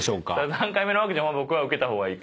３回目のワクチン僕は受けた方がいい。